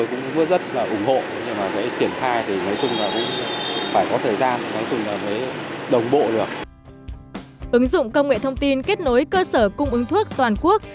ứng dụng công nghệ thông tin kết nối cơ sở cung ứng thuốc toàn quốc